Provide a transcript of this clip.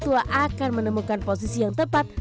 tua akan menemukan posisi yang tepat